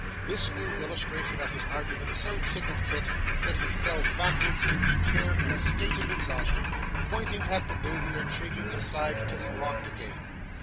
This new illustration of his argument so tickled Kit, that he fell backward in his chair in a state of exhaustion, pointing at the baby and shaking his sides till he rocked again.